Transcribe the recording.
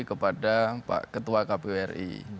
kepada pak ketua kpu ri